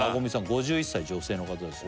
５１歳女性の方です